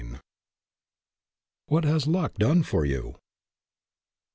WHAT HAS LUCK DONE FOR YOU?